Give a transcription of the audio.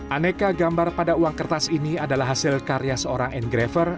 aneka gambar pada uang kertas ini adalah hasil karya seorang engraver